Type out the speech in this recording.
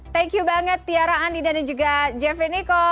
thank you banget tiara andi dan juga jeffrey nicole